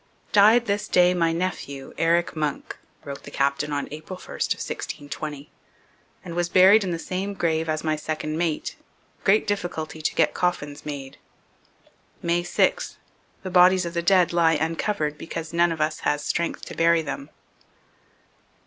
'Died this day my Nephew, Eric Munck,' wrote the captain on April 1 of 1620, 'and was buried in the same grave as my second mate. Great difficulty to get coffins made. May 6 The bodies of the dead lie uncovered because none of us has strength to bury them.'